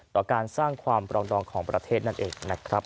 ต่อการสร้างความปรองดองของประเทศนั่นเองนะครับ